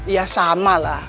ya sama lah